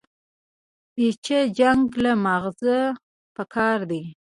بچيه جنگ له مازغه پکار دي.